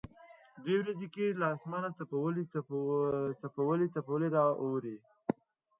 دوه ورځې کېږي له اسمانه څپولی څپولی را اوري.